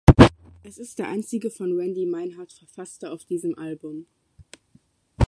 Es ist der einzige von Randy Meinhard verfasste auf diesem Album.